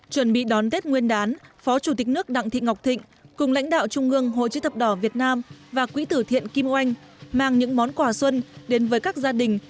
chuẩn bị đón tết nguyên đán phó chủ tịch nước đặng thị ngọc thịnh cùng lãnh đạo trung ương hội chữ thập đỏ việt nam và quỹ tử thiện kim oanh mang những món quà xuân đến với các gia đình